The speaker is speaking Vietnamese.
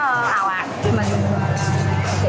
thế là tốt